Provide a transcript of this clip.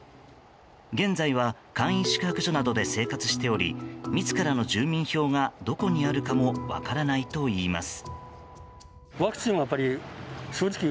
現在は、簡易宿泊所などで生活しており自らの住民票がどこにあるかも分からないといいます。